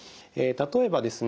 例えばですね